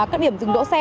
các điểm rừng đỗ xe